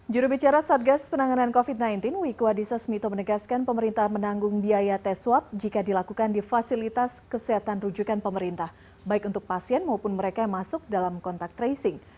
jurubicara satgas penanganan covid sembilan belas wiku adhisa smito menegaskan pemerintah menanggung biaya tes swab jika dilakukan di fasilitas kesehatan rujukan pemerintah baik untuk pasien maupun mereka yang masuk dalam kontak tracing